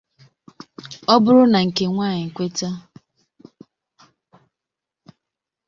ọ bụrụ na nke nwaayị kweta